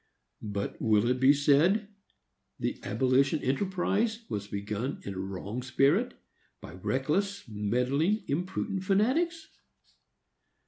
But will it be said. "The abolition enterprise was begun in a wrong spirit, by reckless, meddling, impudent fanatics"?